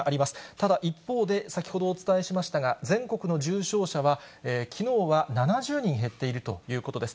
ただ、一方で、先ほどお伝えしましたが、全国の重症者はきのうは７０人減っているということです。